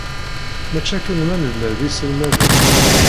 Maci akken ma nella d iselmaden.